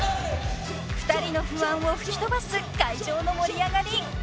［２人の不安を吹き飛ばす会場の盛り上がり］